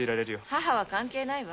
母は関係ないわ。